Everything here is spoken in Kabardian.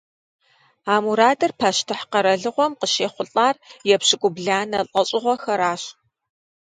А мурадыр пащтыхь къэралыгъуэм къыщехъулӀар епщыкӏубланэ лӀэщӀыгъуэхэращ.